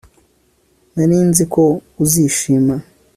Nari nzi ko uzishima